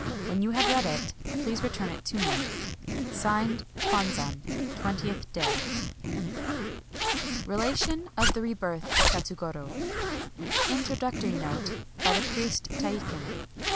When you have read it, please return it to me. [Signed] Kwanzan. Twentieth day. [No date.] [Copy.] Relation of the Rebirth of Katsugoro. 4. — (Introductory Note by the Priest Teikin.)